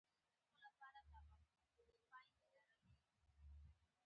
عبارت په جمله کښي کاریږي.